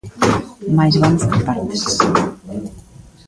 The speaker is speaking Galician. Mais vamos por partes.